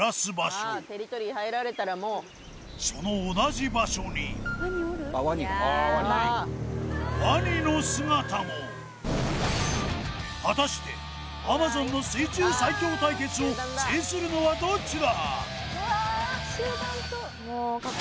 その同じ場所にワニの姿も果たしてアマゾンの水中最強対決を制するのはどっちだ？